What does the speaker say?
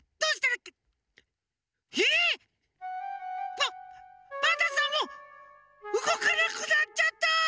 パパンタンさんもうごかなくなっちゃった！